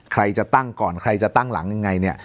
ใครจะตั้งก่อนใครจะตั้งหลังยังไงเนี่ย